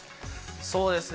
そうですね。